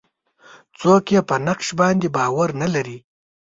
څوک یې په نقش باندې باور نه لري.